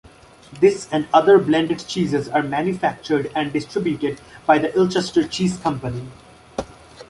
This and other blended cheeses are manufactured and distributed by the Ilchester Cheese Company.